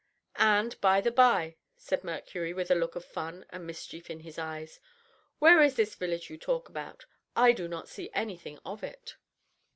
"And, by the bye," said Mercury, with a look of fun and mischief in his eyes, "where is this village you talk about? I do not see anything of it."